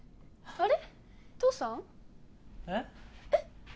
あれ！